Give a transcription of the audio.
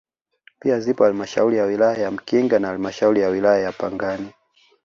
Pia zipo halmashauri ya wilaya ya Mkinga na halmashauri ya wilaya ya Pangani